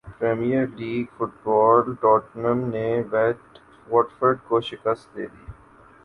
premiere League football Tottenham نے Watford کو شکست دیدی